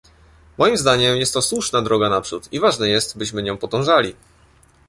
Moim zdaniem jest to słuszna droga naprzód i ważne jest byśmy nią podążali